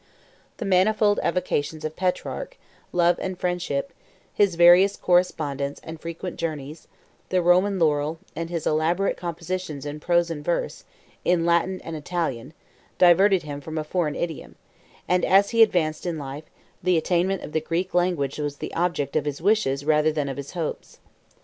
91 The manifold avocations of Petrarch, love and friendship, his various correspondence and frequent journeys, the Roman laurel, and his elaborate compositions in prose and verse, in Latin and Italian, diverted him from a foreign idiom; and as he advanced in life, the attainment of the Greek language was the object of his wishes rather than of his hopes.